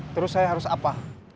terus saya harus apa